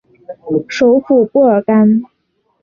首府布尔干。